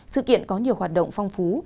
sự kiện có nhiều hoạt động phong phú